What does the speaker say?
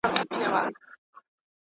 د پښو تلي په تېلو غوړ کړئ.